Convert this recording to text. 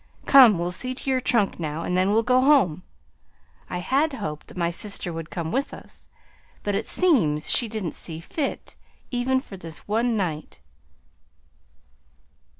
"Come, we'll see to your trunk now, then we'll go home. I had hoped that my sister would come with us; but it seems she didn't see fit even for this one night."